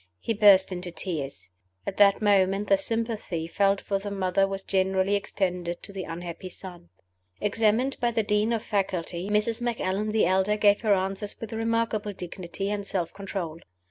He burst into tears. At that moment the sympathy felt for the mother was generally extended to the unhappy son. Examined by the Dean of Faculty, Mrs. Macallan the elder gave her answers with remarkable dignity and self control.